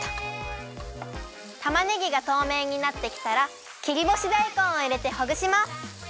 たまねぎがとうめいになってきたら切りぼしだいこんをいれてほぐします。